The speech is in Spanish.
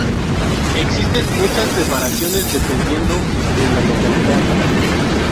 Existen muchas preparaciones dependiendo de la localidad.